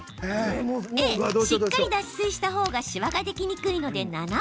Ａ・しっかり脱水したほうがシワができにくいので７分？